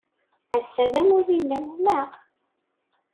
Ass-a d amulli-nnem, naɣ?